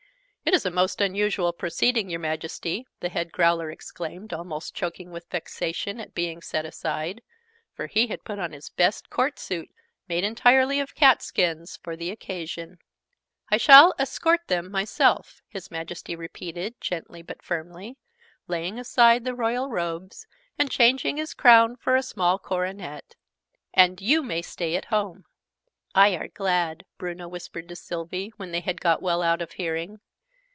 It is a most unusual proceeding, your Majesty! the Head Growler exclaimed, almost choking with vexation at being set aside, for he had put on his best Court suit, made entirely of cat skins, for the occasion. "I shall escort them myself," his Majesty repeated, gently but firmly, laying aside the Royal robes, and changing his crown for a small coronet, "and you may stay at home." "I are glad!" Bruno whispered to Sylvie, when they had got well out of hearing.